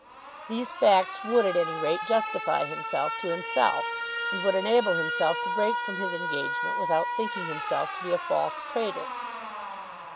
These facts would at any rate justify himself to himself, and would enable himself to break from his engagement without thinking himself to be a false traitor.